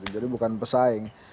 jadi bukan pesaing